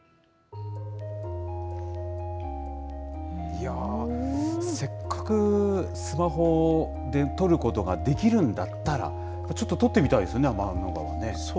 いやー、せっかくスマホで撮ることができるんだったら、ちょっと撮ってみたいですね、天の川ね。